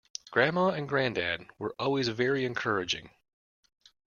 Grandma and grandad were always very encouraging.